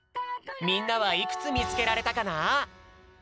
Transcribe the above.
みんなはいくつみつけられたかな？